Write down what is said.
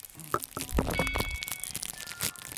ممکن فکر کول بریالیتوب ته نږدې کوي.